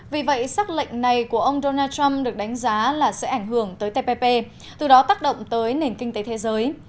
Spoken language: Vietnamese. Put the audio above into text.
vì vậy xác lệnh này của ông donald trump được đánh giá là sẽ ảnh hưởng tới tpp từ đó tác động tới nền kinh tế thế giới